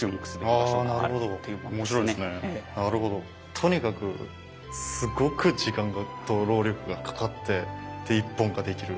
とにかくすごく時間と労力がかかって一本ができる。